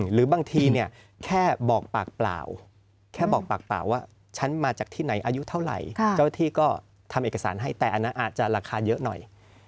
หรือบางทีเนี่ยแค่บอกปากเปล่าแค่บอกปากเปล่าว่าฉันมาจากที่ไหนอายุเท่าไหร่เจ้าที่ก็ทำเอกสารให้แต่อันนั้นอาจจะราคาเยอะหน่อย